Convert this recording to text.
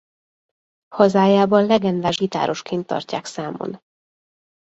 Hazájában legendás gitárosként tartják számon.